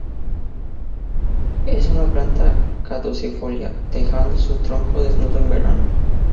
Es una planta caducifolia, dejando su tronco desnudo en verano.